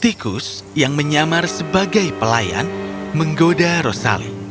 tikus yang menyamar sebagai pelayan menggoda rosali